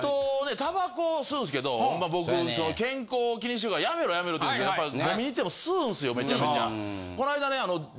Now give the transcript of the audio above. たばこを吸うんですけど健康を気にしてるからやめろやめろってやっぱ飲みに行っても吸うんすよめちゃめちゃ。